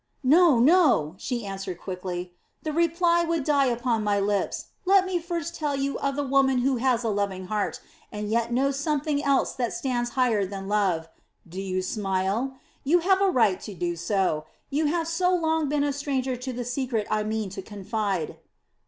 "No, no!" she answered quickly. "The reply would die upon my lips. Let me first tell you of the woman who has a loving heart, and yet knows something else that stands higher than love. Do you smile? You have a right to do so, you have so long been a stranger to the secret I mean to confide...."